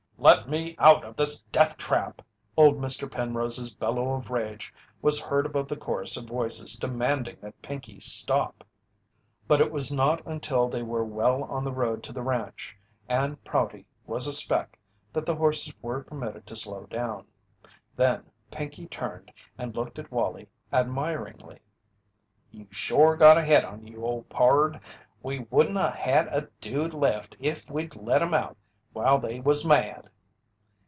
"Let me out of this death trap!" Old Mr. Penrose's bellow of rage was heard above the chorus of voices demanding that Pinkey stop. But it was not until they were well on the road to the ranch, and Prouty was a speck, that the horses were permitted to slow down; then Pinkey turned and looked at Wallie admiringly. "You shore got a head on you, old pard! We wouldn't 'a' had a dude left if we'd let 'em out while they was mad."